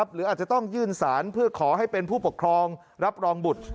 หรืออาจจะต้องยื่นสารเพื่อขอให้เป็นผู้ปกครองรับรองบุตร